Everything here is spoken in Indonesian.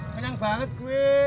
penyang banget gue